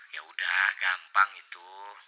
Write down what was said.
yaudah gampang itu